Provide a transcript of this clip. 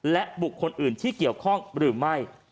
และบุคคลอื่นที่เกี่ยวข้องหรือไม่